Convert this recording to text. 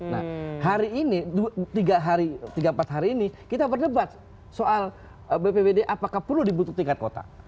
nah hari ini tiga hari tiga empat hari ini kita berdebat soal bpbd apakah perlu dibutuhkan tingkat kota